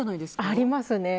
ありますね。